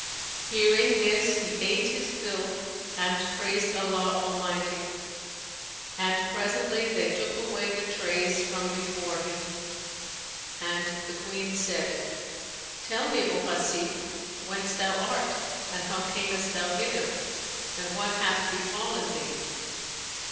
Hearing this, he ate his fill and praised Allah Almighty; and presently they took away the trays from before him, and the Queen said, "Tell me, O Hasib, whence thou art and how camest thou hither and what hath befallen thee."